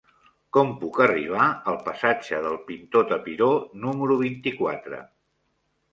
Com puc arribar al passatge del Pintor Tapiró número vint-i-quatre?